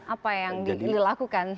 apa yang dilakukan